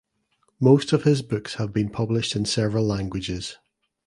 Most of his books have been published in several languages.